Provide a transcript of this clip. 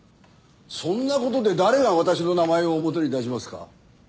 そんな事で誰が私の名前を表に出しますか？